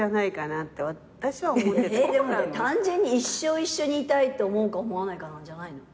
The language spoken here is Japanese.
でも単純に一生一緒にいたいって思うか思わないかなんじゃないの？